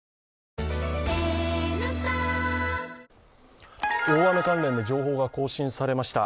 そして大雨関連で情報が更新されました。